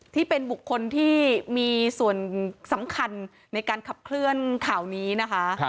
ที่เป็นบุคคลที่มีส่วนสำคัญในการขับเคลื่อนข่าวนี้นะคะ